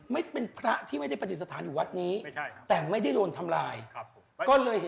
มีพระกษัตริย์ทรงศาสตร์ในศาสนาพราหมิดู